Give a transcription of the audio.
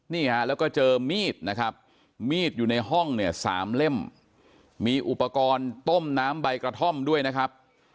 นี่ฮะแล้วก็เจอมีดนะครับมีดอยู่ในห้องเนี่ย๓เล่มมีอุปกรณ์ต้มน้ำใบกระท่อมด้วยนะครับ